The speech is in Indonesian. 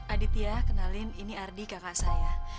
aditya kenalin ini ardi kakak saya